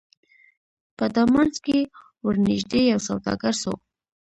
په دامنځ کي ورنیژدې یو سوداګر سو